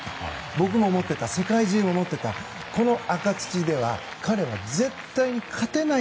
僕も思っていた世界中も思っていたこの赤土では彼は絶対に勝てない。